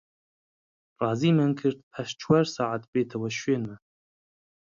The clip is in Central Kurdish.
ڕازیمان کرد پاش چوار سەعات بێتەوە شوێنمان